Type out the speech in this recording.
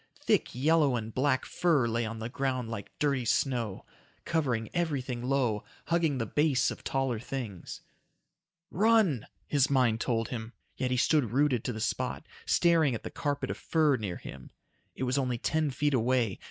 Thick yellow and black fur lay on the ground like dirty snow. Covering everything low, hugging the base of taller things. "Run!" his mind told him. Yet he stood rooted to the spot, staring at the carpet of fur near him. It was only ten feet away.